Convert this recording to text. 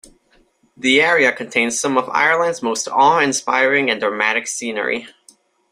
The area contains some of Ireland's most awe-inspiring and dramatic scenery.